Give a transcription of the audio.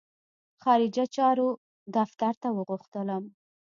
خارجه چارو دفتر ته وغوښتلم.